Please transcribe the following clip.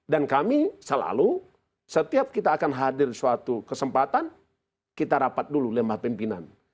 dan kami selalu setiap kita akan hadir suatu kesempatan kita rapat dulu lembah pimpinan